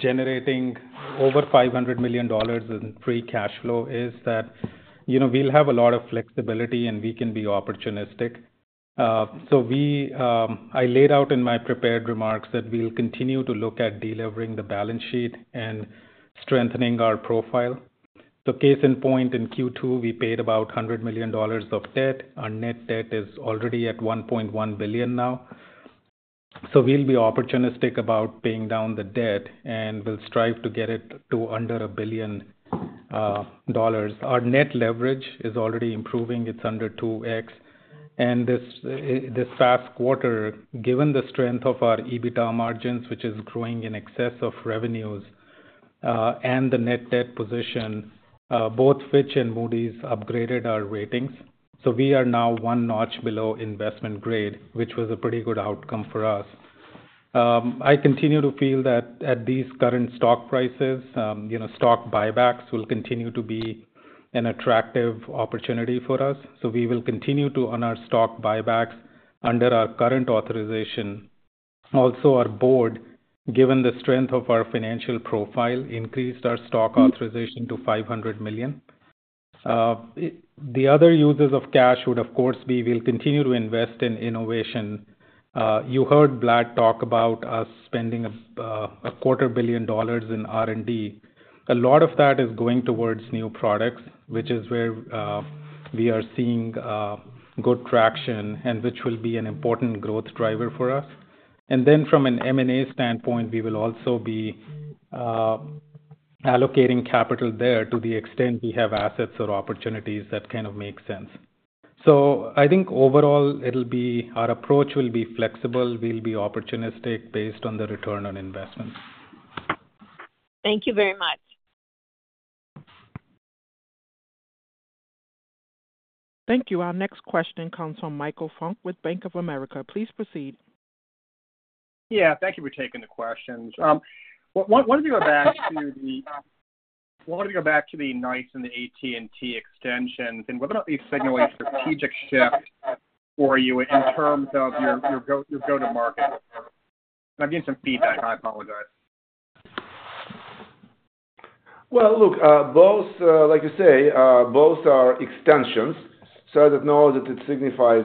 generating over $500 million in free cash flow is that we'll have a lot of flexibility and we can be opportunistic. I laid out in my prepared remarks that we'll continue to look at delevering the balance sheet and strengthening our profile. Case in point, in Q2, we paid about $100 million of debt. Our net debt is already at $1.1 billion now. We'll be opportunistic about paying down the debt, and we'll strive to get it to under $1 billion. Our net leverage is already improving. It's under 2x. This past quarter, given the strength of our EBITDA margins, which is growing in excess of revenues, and the net debt position, both Fitch and Moody's upgraded our ratings. We are now one notch below investment grade, which was a pretty good outcome for us. I continue to feel that at these current stock prices, stock buybacks will continue to be an attractive opportunity for us. We will continue to honor stock buybacks under our current authorization. Also, our board, given the strength of our financial profile, increased our stock authorization to $500 million. The other uses of cash would, of course, be we'll continue to invest in innovation. You heard Vlad talk about us spending $250 million in R&D. A lot of that is going towards new products, which is where we are seeing good traction and which will be an important growth driver for us. From an M&A standpoint, we will also be allocating capital there to the extent we have assets or opportunities that kind of make sense. I think overall, our approach will be flexible. We'll be opportunistic based on the return on investment. Thank you very much. Thank you. Our next question comes from Michael Funk with Bank of America. Please proceed. Thank you for taking the questions. I wanted to go back to the NICE and the AT&T extensions, and whether or not they've signaled a strategic shift for you in terms of your go-to-market. I'm getting some feedback, and I apologize. Both, like you say, both are extensions. I don't know that it signifies,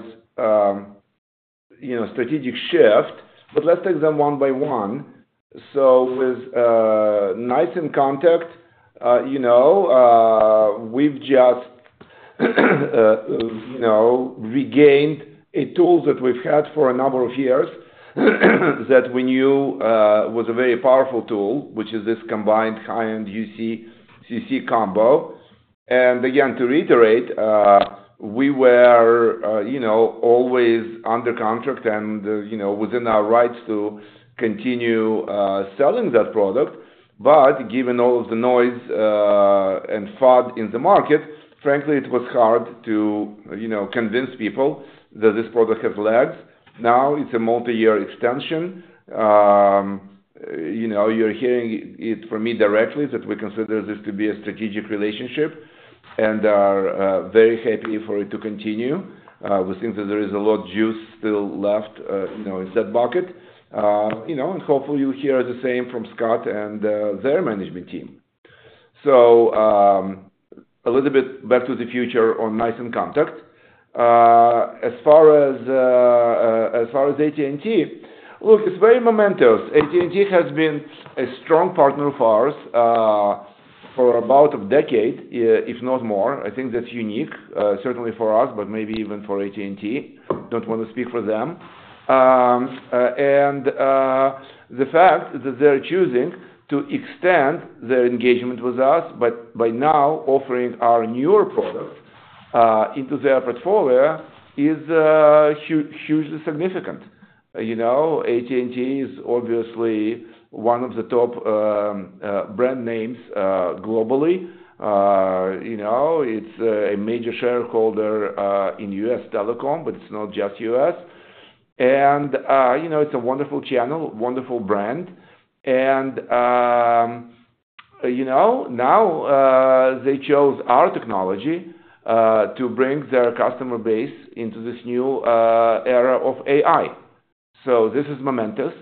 you know, strategic shift, but let's take them one by one. With NICE and Contact, we've just regained a tool that we've had for a number of years that we knew was a very powerful tool, which is this combined high-end UC combo. Again, to reiterate, we were always under contract and within our rights to continue selling that product. Given all of the noise and FUD in the market, frankly, it was hard to convince people that this product has lagged. Now it's a multi-year extension. You're hearing it from me directly that we consider this to be a strategic relationship and are very happy for it to continue. We think that there is a lot of juice still left in that bucket, and hopefully you hear the same from Scott and their management team. A little bit back to the future on NICE and Contact. As far as AT&T, it's very momentous. AT&T has been a strong partner of ours for about a decade, if not more. I think that's unique, certainly for us, but maybe even for AT&T. I don't want to speak for them. The fact that they're choosing to extend their engagement with us by now offering our newer products into their portfolio is hugely significant. AT&T is obviously one of the top brand names globally. It's a major shareholder in U.S. telecom, but it's not just U.S. It's a wonderful channel, wonderful brand, and now they chose our technology to bring their customer base into this new era of AI. This is momentous.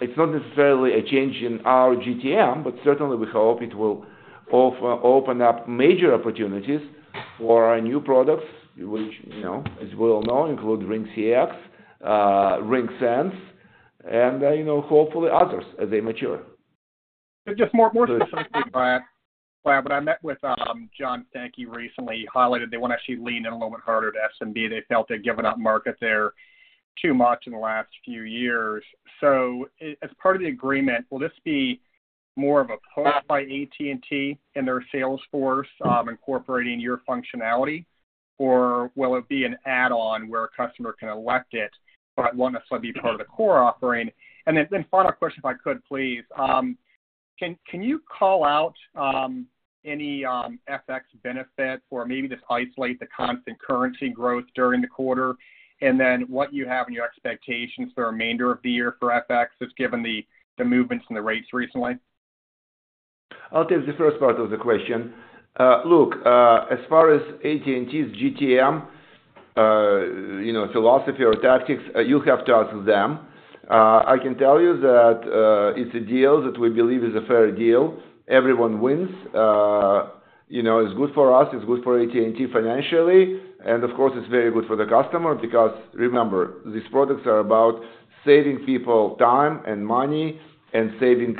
It's not necessarily a change in our GTM, but certainly we hope it will open up major opportunities for our new products, which, as we all know, include RingCX, RingSense, and hopefully others as they mature. Vlad, when I met with John Stankey recently, he highlighted they want to actually lean in a little bit further to SMB. They felt they'd given up market there too much in the last few years. As part of the agreement, will this be more of a push by AT&T and their sales force incorporating your functionality, or will it be an add-on where a customer can elect it, but will it necessarily be part of the core offering? Final question, if I could, please. Can you call out any FX benefit or maybe just isolate the constant currency growth during the quarter and then what you have in your expectations for the remainder of the year for FX, just given the movements in the rates recently? I'll take the first part of the question. As far as AT&T's GTM philosophy or tactics, you'll have to ask them. I can tell you that it's a deal that we believe is a fair deal. Everyone wins. It's good for us, it's good for AT&T financially, and of course, it's very good for the customer because remember, these products are about saving people time and money and saving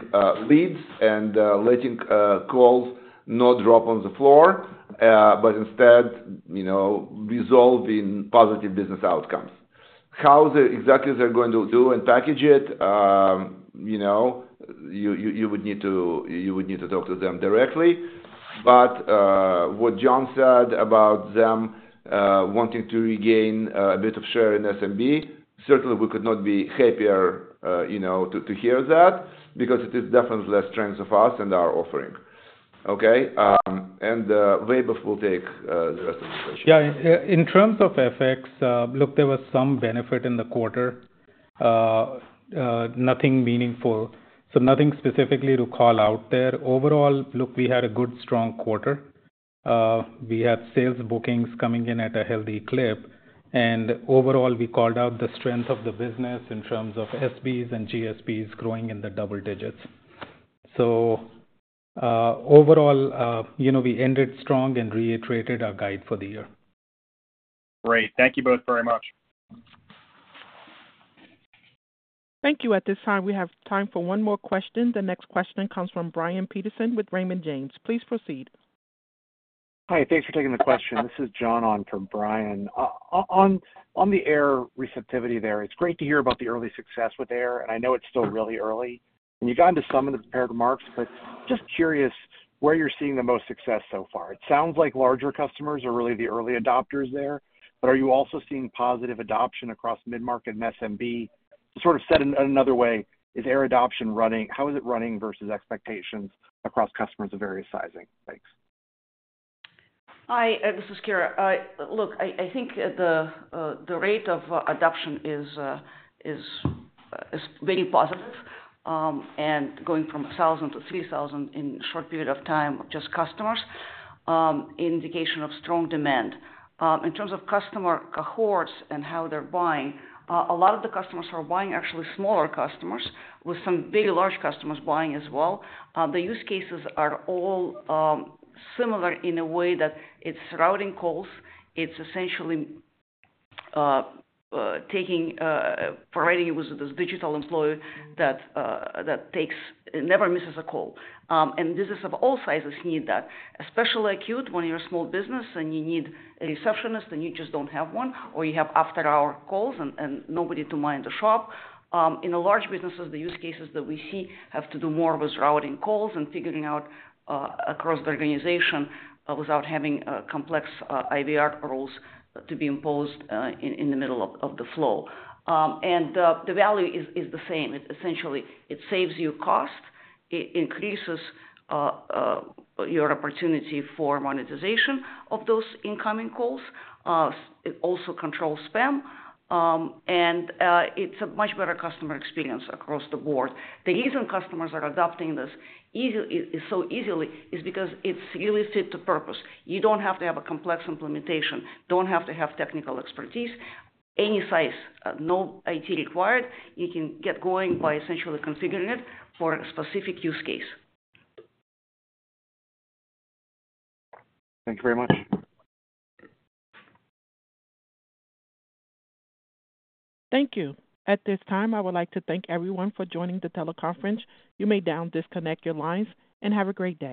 leads and letting calls not drop on the floor, but instead, resolving positive business outcomes. How exactly they're going to do and package it, you would need to talk to them directly. What John said about them wanting to regain a bit of share in SMB, certainly we could not be happier to hear that because it is definitely a strength of us and our offering. Vaibhav will take the rest of the question. Yeah, in terms of FX, look, there was some benefit in the quarter. Nothing meaningful. Nothing specifically to call out there. Overall, look, we had a good, strong quarter. We had sales bookings coming in at a healthy clip. Overall, we called out the strength of the business in terms of SMBs and GSPs growing in the double digits. Overall, you know, we ended strong and reiterated our guide for the year. Great. Thank you both very much. Thank you. At this time, we have time for one more question. The next question comes from Brian Peterson with Raymond James. Please proceed. Hi, thanks for taking the question. This is John on from Brian. On the AIR receptivity there, it's great to hear about the early success with AIR, and I know it's still really early. You got into some of the prepared remarks, but just curious where you're seeing the most success so far. It sounds like larger customers are really the early adopters there, but are you also seeing positive adoption across mid-market and SMB? Said in another way, is AIR adoption running? How is it running versus expectations across customers of various sizing? Thanks. Hi, this is Kira. I think the rate of adoption is very positive. Going from 1,000-3,000 in a short period of time, just customers, indication of strong demand. In terms of customer cohorts and how they're buying, a lot of the customers are buying, actually smaller customers with some very large customers buying as well. The use cases are all similar in a way that it's routing calls. It's essentially providing you with this digital employee that never misses a call. All sizes need that, especially acute when you're a small business and you need a receptionist and you just don't have one, or you have after-hour calls and nobody to mind to show up. In a large business, the use cases that we see have to do more with routing calls and figuring out across the organization without having complex IVR rules to be imposed in the middle of the flow. The value is the same. Essentially, it saves you cost. It increases your opportunity for monetization of those incoming calls. It also controls spam. It's a much better customer experience across the board. The reason customers are adopting this so easily is because it's really fit to purpose. You don't have to have a complex implementation. You don't have to have technical expertise. Any size, no IT required. You can get going by essentially configuring it for a specific use case. Thank you very much. Thank you. At this time, I would like to thank everyone for joining the teleconference. You may now disconnect your lines and have a great day.